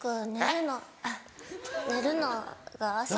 えっ⁉寝るのが朝。